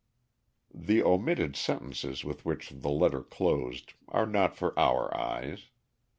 The omitted sentences with which the letter closed are not for our eyes.